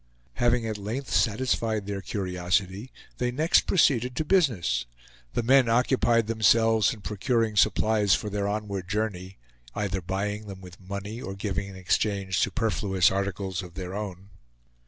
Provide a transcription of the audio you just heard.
Having at length satisfied their curiosity, they next proceeded to business. The men occupied themselves in procuring supplies for their onward journey; either buying them with money or giving in exchange superfluous articles of their own.